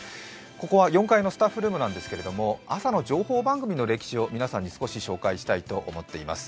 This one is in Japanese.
ここは４階のスタッフルームですけど、朝の情報番組の歴史を皆さんに少し紹介したいと思っています。